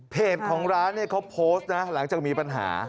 เพจของร้านเขาโพสต์นะหลังจากมีปัญหา